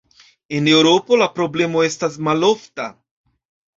En Eŭropo la problemo estas malofta.